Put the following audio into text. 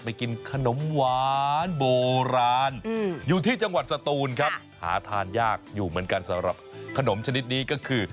กินขนมหวานโบราณอยู่ที่จังหวัดสตูนครับหาทานยากอยู่เหมือนกันสำหรับขนมชนิดนี้ก็คือ